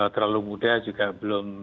terlalu muda juga belum